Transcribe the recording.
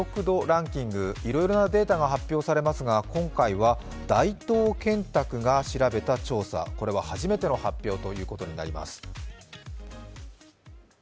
ランキングいろいろなデータが発表されますが今回は大東建託が調べた調査、これは初めての発表ということになります。